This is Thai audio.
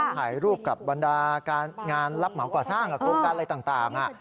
ถ่ายรูปกับบรรดาการงานรับเหมาก่อสร้างกับโครงการอะไรต่าง